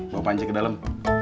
bawa pancik ke dalam